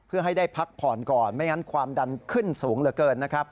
เพื่อให้ได้พักผ่อนก่อนไม่งั้นความดันขึ้นสูงเหลือเกินนะครับ